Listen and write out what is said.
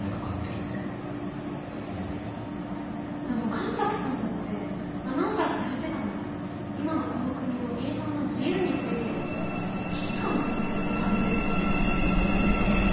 あの神崎さんだってアナウンサーされてたなら今のこの国の言論の自由について危機感を持っていらっしゃるはずですよね？